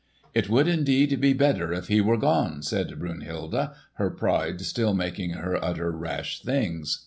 "It would indeed be better if he were gone," said Brunhilde, her pride still making her utter rash things.